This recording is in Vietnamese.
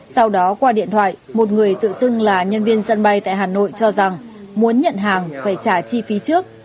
sau đó qua điện thoại một người tự xưng là nhân viên sân bay tại hà nội cho rằng muốn nhận hàng phải trả chi phí trước